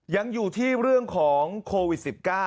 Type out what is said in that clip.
ยังอยู่ที่เรื่องของโควิด๑๙